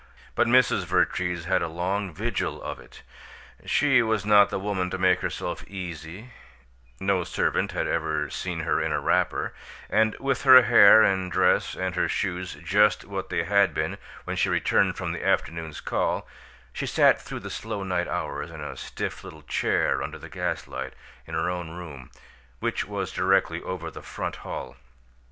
But Mrs. Vertrees had a long vigil of it. She was not the woman to make herself easy no servant had ever seen her in a wrapper and with her hair and dress and her shoes just what they had been when she returned from the afternoon's call, she sat through the slow night hours in a stiff little chair under the gaslight in her own room, which was directly over the "front hall."